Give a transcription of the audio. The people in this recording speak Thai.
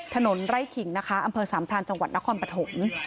ถนนไร่ขิงนะคะอำเภอสามพรานจังหวัดนครปฐม